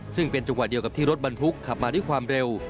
ซึ่งเป็นจังหวะเดียวกับที่รถบรรทุกขับมาด้วยความเร็ว